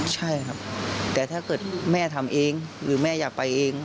ใช่ครับแต่ถ้าเกิดแม่ทำเองหรือแม่อยากไปเอง